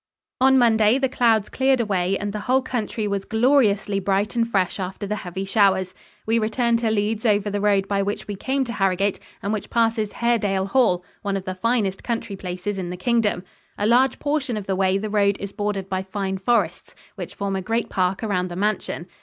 On Monday the clouds cleared away and the whole country was gloriously bright and fresh after the heavy showers. We returned to Leeds over the road by which we came to Harrogate and which passes Haredale Hall, one of the finest country places in the Kingdom. A large portion of the way the road is bordered by fine forests, which form a great park around the mansion.